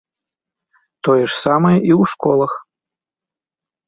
Тое ж самае і ў школах.